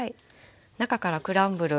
中からクランブル。